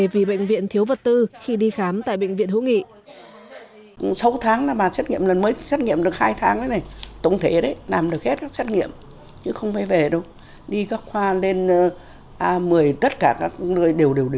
vì bệnh viện thiếu vật tư khi đi khám tại bệnh viện hữu nghị